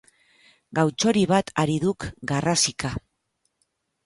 Gau-txori bat ari duk garrasika.